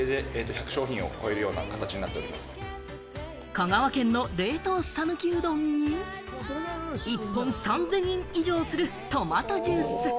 香川県の冷凍讃岐うどんに、１本３０００円以上するトマトジュース。